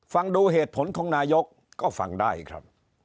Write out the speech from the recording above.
ฟังดูเหตุผลของนายกก็ฟังได้ครับ